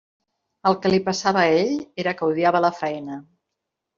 El que li passava a ell era que odiava la faena.